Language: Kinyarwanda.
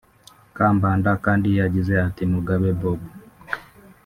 Kambanda kandi yagize ati “Mugabe Bob